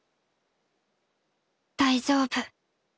「大丈夫」